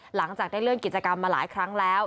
หลังจากได้เลื่อนกิจกรรมมาหลายครั้งแล้ว